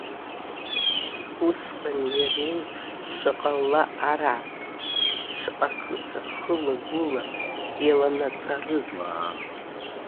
Усҟан иареиԥш, шаҟа ла араапкрыз, шаҟа қыҭа хыла-гәыла еиланаҵарыз!